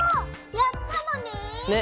やったのね。ね！